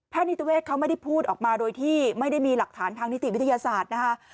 นิติเวศเขาไม่ได้พูดออกมาโดยที่ไม่ได้มีหลักฐานทางนิติวิทยาศาสตร์นะคะ